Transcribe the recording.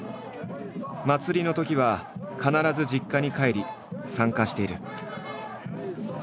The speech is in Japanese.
祭りのときは必ず実家に帰り参加している。